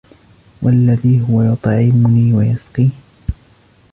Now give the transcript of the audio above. وَالَّذِي هُوَ يُطْعِمُنِي وَيَسْقِينِ